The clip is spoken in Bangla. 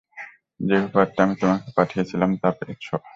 যে উপহারটা আমি তোমাকে পাঠিয়েছিলাম তা পেয়েছো?